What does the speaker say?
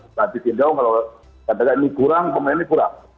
pelatih tidak mau kalau katakan ini kurang pemain ini kurang